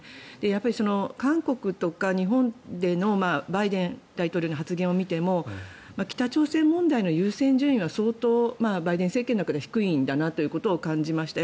やっぱり韓国とか日本でのバイデン大統領の発言を見ても北朝鮮問題の優先順位は相当、バイデン政権の中では低いんだなということを感じました。